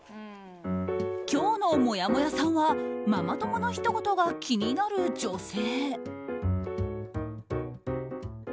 今日のもやもやさんはママ友のひと言が気になる女性。